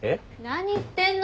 何言ってんの！